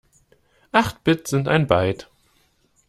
Acht Bit sind ein Byte.